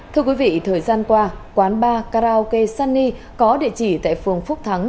thưa quý vị thời gian qua quán bar karaoke sunny có địa chỉ tại phường phúc thắng